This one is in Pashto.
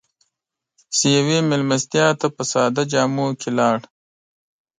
چې يوې مېلمستیا ته په ساده جامو کې لاړ.